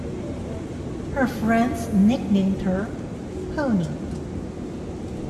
Her friends nicknamed her "Pony".